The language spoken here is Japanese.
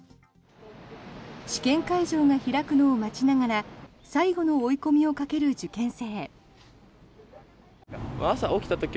試験会場が開くのを待ちながら最後の追い込みをかける受験生。